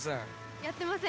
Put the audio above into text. やってません？